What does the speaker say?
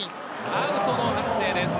アウトの判定です。